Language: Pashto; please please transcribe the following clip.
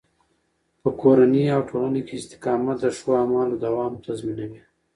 په کورني او ټولنه کې استقامت د ښو اعمالو دوام تضمینوي.